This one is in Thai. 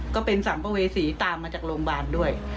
ก็เป็นสังเบอร์เวสีตามมาจากโรงบาลด้วย